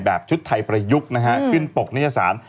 แบบชุดไทยประยุกต์ขึ้นปกนิจสาร